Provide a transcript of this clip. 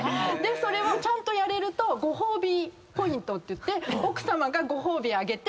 それをちゃんとやれるとご褒美ポイントっていって奥さまがご褒美あげて。